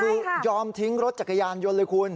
คือยอมทิ้งรถจักรยานยนต์เลยคุณ